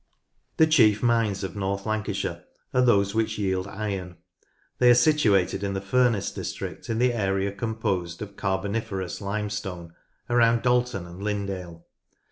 The chief mines of North Lancashire are those which yield iron : they are situated in the Furness district in the area composed of Carboniferous Limestone around Dalton and Lindale.